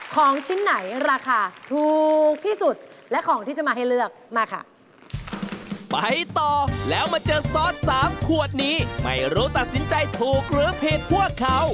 ของชิ้นไหนราคาถูกที่สุดและของที่จะมาให้เลือกมาค่ะ